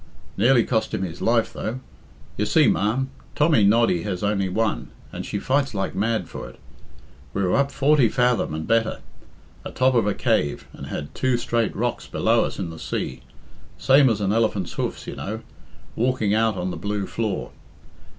Nearly cost him his life, though. You see, ma'am, Tommy Noddy has only one, and she fights like mad for it. We were up forty fathom and better, atop of a cave, and had two straight rocks below us in the sea, same as an elephant's hoofs, you know, walking out on the blue floor.